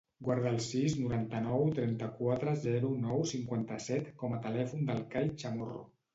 Guarda el sis, noranta-nou, trenta-quatre, zero, nou, cinquanta-set com a telèfon del Kai Chamorro.